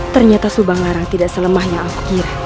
ternyata sumbanglarang tidak selamah yang aku kira